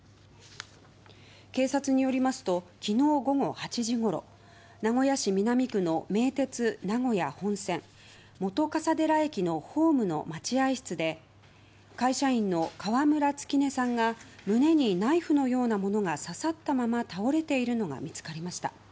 警察によりますと昨日午後８時ごろ名古屋市南区の名鉄名古屋本線本笠寺駅のホームの待合室で会社員の川村月音さんが胸にナイフのようなものが刺さったまま倒れているのが見つかりました。